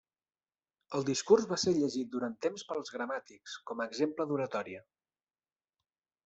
El discurs va ser llegit durant temps pels gramàtics, com a exemple d'oratòria.